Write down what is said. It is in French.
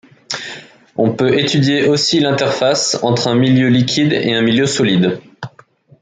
On peut étudier aussi l'interface entre un milieu liquide et un milieu solide.